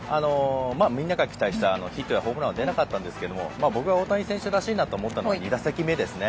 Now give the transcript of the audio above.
みんなが期待したヒットやホームランは出なかったんですけども僕が大谷選手らしいなと思ったのは２打席目ですね。